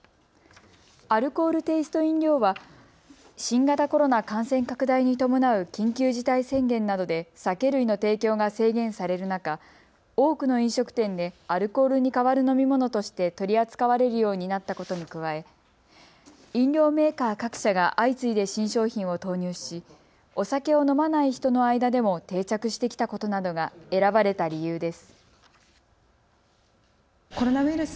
アルコールテイスト飲料は新型コロナ感染拡大に伴う緊急事態宣言などで酒類の提供が制限される中、多くの飲食店でアルコールに代わる飲み物として取り扱われるようになったことに加え飲料メーカー各社が相次いで新商品を投入し、お酒を飲まない人の間でも定着してきたことなどが選ばれた理由です。